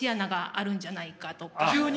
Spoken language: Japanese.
急に？